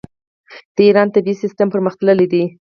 د ایران طبي سیستم پرمختللی دی.